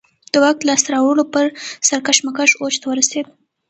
د واک د لاسته راوړلو پر سر کشمکش اوج ته ورسېد.